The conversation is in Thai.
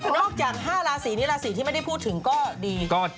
นอกจาก๕ราศีนี้ราศีที่ไม่ได้พูดถึงก็ดี